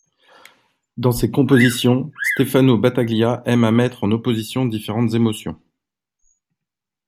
Dans ses compositions, Stefano Battaglia aime à mettre en opposition différentes émotions.